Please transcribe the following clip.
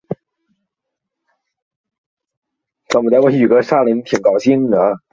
橡胶接枝共聚系按自由基链锁聚合历程进行聚合反应。